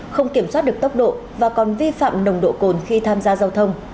không kiểm soát được tốc độ và còn vi phạm nồng độ cồn khi tham gia giao thông